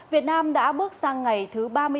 việt nam đã bước sang ngày thứ ba mươi năm